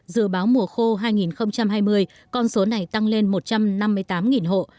dự báo mùa khô hai nghìn hai mươi con số này tăng lên một trăm năm mươi tám hộ